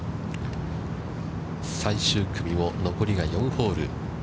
最終組も残りが４ホール。